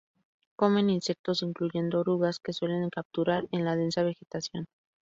Comen insectos, incluyendo orugas, que suelen capturar en la densa vegetación.